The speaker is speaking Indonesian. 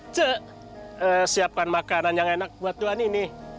cek siapkan makanan yang enak buat tuhan ini